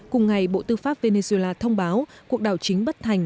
cùng ngày bộ tư pháp venezuela thông báo cuộc đảo chính bất thành